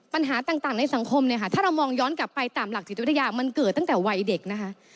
ปัญหาต่างในสังคมเนี่ยค่ะถ้าเรามองย้อนกลับไปตามหลักจิตวิทยามันเกิดตั้งแต่วัยเด็กนะคะ